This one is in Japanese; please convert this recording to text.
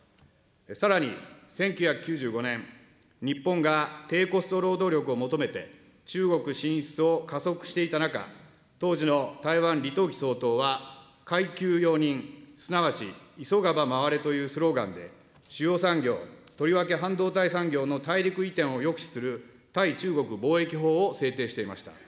さらに、１９９５年、日本が低コスト労働力を求めて中国進出を加速していた中、当時の台湾、李登輝総統は、戒急用忍、すなわち急がば回れというスローガンで、主要産業、とりわけ半導体産業の大陸移転を抑止する対中国貿易法を制定していました。